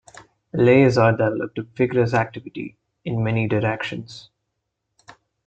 Eleazar developed a vigorous activity in many directions.